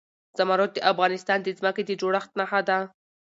زمرد د افغانستان د ځمکې د جوړښت نښه ده.